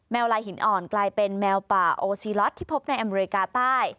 ลายหินอ่อนกลายเป็นแมวป่าโอซีล็อตที่พบในอเมริกาใต้